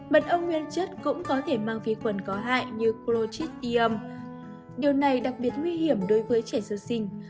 mật ong nguyên chất cũng có thể mang vi khuẩn có hại như crochit iuu điều này đặc biệt nguy hiểm đối với trẻ sơ sinh